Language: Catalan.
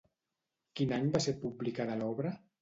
Quin any va ser publicada l'obra?